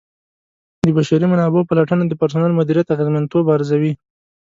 د بشري منابعو پلټنه د پرسونل مدیریت اغیزمنتوب ارزوي.